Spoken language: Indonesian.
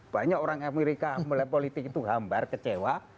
banyak orang amerika mulai politik itu hambar kecewa